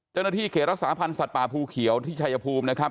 เจ้าหน้าที่เขตรักษาพันธ์สัตว์ป่าภูเขียวที่ชายภูมินะครับ